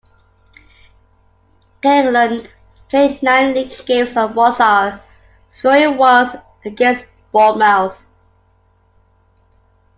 Ekelund played nine league games for Walsall, scoring once against Bournemouth.